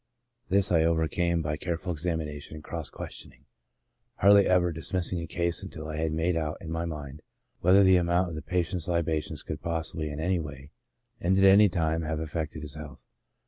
This I overcame by careful examination and cross questioning, hardly ever dis missing a case until I had made out in my mind whether the amount of the patient's libations could possibly in any way, and at any time, have affected his health.